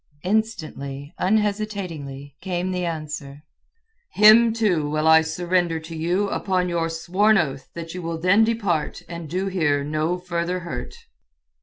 Instantly, unhesitatingly, came the answer—"Him, too, will I surrender to you upon your sworn oath that you will then depart and do here no further hurt."